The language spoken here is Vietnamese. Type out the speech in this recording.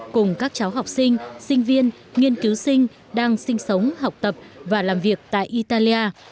cùng các cháu học sinh sinh viên nghiên cứu sinh đang sinh sống học tập và làm việc tại italia